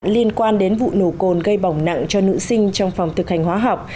liên quan đến vụ nổ cồn gây bỏng nặng cho nữ sinh trong phòng thực hành hóa học